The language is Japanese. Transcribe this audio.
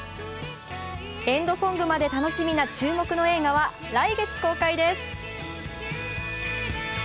エンドソングまで楽しみな注目の映画は来月公開です。